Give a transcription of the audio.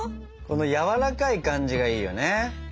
このやわらかい感じがいいよね。